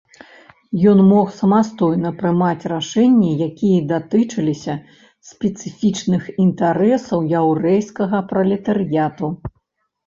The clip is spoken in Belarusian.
Ён мог самастойна прымаць рашэнні, якія датычыліся спецыфічных інтарэсаў яўрэйскага пралетарыяту.